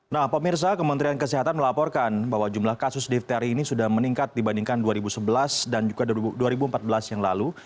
nah pemirsa kementerian kesehatan melaporkan bahwa jumlah kasus difteri ini sudah meningkat dibandingkan dua ribu sebelas dan juga dua ribu empat belas yang lalu